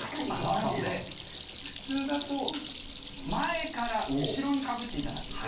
なので、普通だと前から後ろにかぶっていただく。